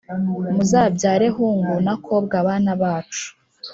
Muzabyare hungu nakobwa bana bacu